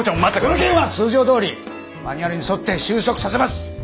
この件は通常どおりマニュアルに沿って収束させます。